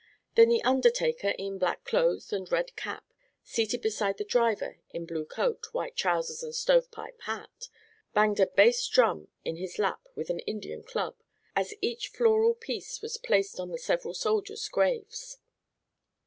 Then the undertaker in black clothes and red cap, seated beside the driver in blue coat, white trousers and stovepipe hat, banged a bass drum in his lap with an Indian club, as each floral piece was placed on the several soldiers' graves.